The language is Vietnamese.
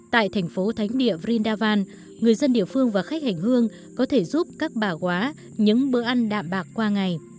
tại thành phố thánh địa rinh davan người dân địa phương và khách hành hương có thể giúp các bà quá những bữa ăn đạm bạc qua ngày